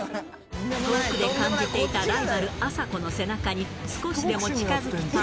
遠くで感じていたライバル、あさこの背中に少しでも近づきたい。